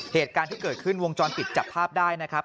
เหตุการณ์ที่เกิดขึ้นวงจรปิดจับภาพได้นะครับ